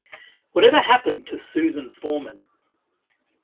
Whatever Happened to Susan Foreman?